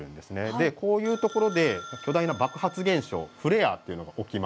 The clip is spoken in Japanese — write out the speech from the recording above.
でこういうところで巨大な爆発現象フレアっていうのが起きます。